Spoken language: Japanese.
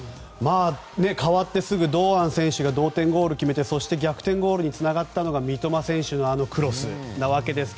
代わってすぐに堂安選手が同点ゴールを決めてそして、逆転ゴールにつながったのが三笘選手のクロスでした。